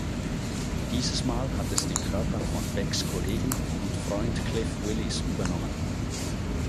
Dieses Mal hat es den Körper von Becks Kollegen und Freund Cliff Willis übernommen.